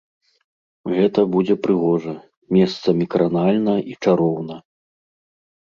Гэта будзе прыгожа, месцамі кранальна і чароўна.